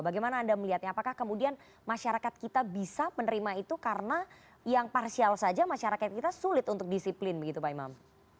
bagaimana anda melihatnya apakah kemudian masyarakat kita bisa menerima itu karena yang parsial saja masyarakat kita sulit untuk disiplin begitu pak imam